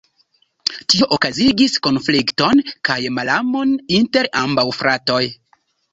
Tio okazigis konflikton kaj malamon inter ambaŭ fratoj.